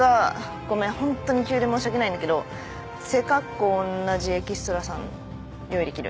ごめんホントに急で申し訳ないんだけど背格好同じエキストラさん用意できる？